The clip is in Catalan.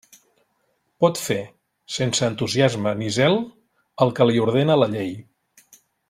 Pot fer, sense entusiasme ni zel, el que li ordena la llei.